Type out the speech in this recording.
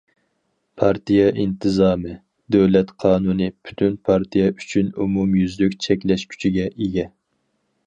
پارتىيە ئىنتىزامى، دۆلەت قانۇنى پۈتۈن پارتىيە ئۈچۈن ئومۇميۈزلۈك چەكلەش كۈچىگە ئىگە.